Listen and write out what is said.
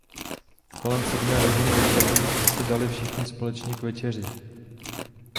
Kolem sedmé hodiny večerní zasedali všichni společně k večeři.